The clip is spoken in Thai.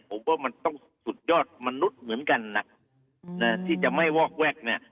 ผมว่ามันต้องสุดยอดมนุษย์เหมือนกันนะที่จะไม่วอกแวกเนี่ย